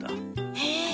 へえ。